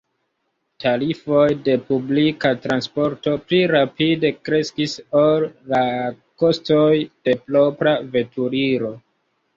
Tarifoj de publika transporto pli rapide kreskis ol la kostoj de propra veturilo.